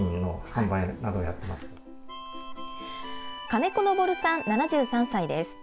金子昇さん、７３歳です。